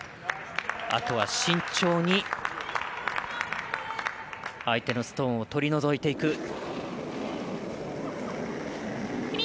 あとは、慎重に相手のストーンを取り除いていく。